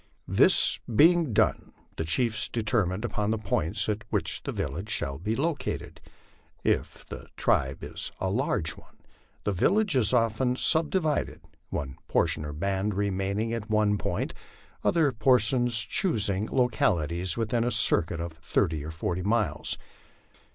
This being done, the chiefs determine upon the points at which the village shall be located; if the tribe is a large one, the village is often subdivi ded, one portion or band remaining at one point, other portions choosing lo calities within a circuit of thirty or forty miles.